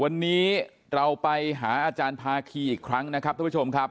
วันนี้เราไปหาอาจารย์ภาคีอีกครั้งนะครับทุกผู้ชมครับ